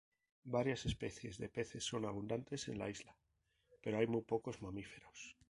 Varias especies de peces son abundantes en la isla, pero hay muy pocos mamíferos.